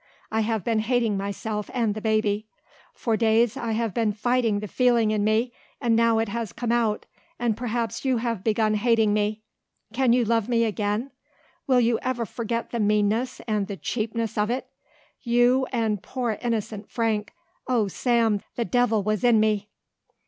I have been hating myself and the baby. For days I have been fighting the feeling in me, and now it has come out and perhaps you have begun hating me. Can you love me again? Will you ever forget the meanness and the cheapness of it? You and poor innocent Frank Oh, Sam, the devil was in me!"